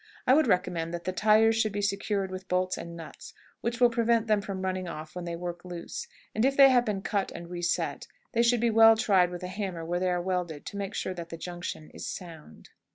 I would recommend that the tires should be secured with bolts and nuts, which will prevent them from running off when they work loose, and, if they have been cut and reset, they should be well tried with a hammer where they are welded to make sure that the junction is sound.